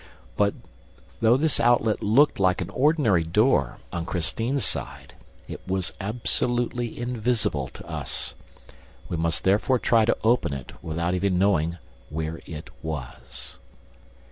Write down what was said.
But, though this outlet looked like an ordinary door on Christine's side, it was absolutely invisible to us. We must therefore try to open it without even knowing where it was.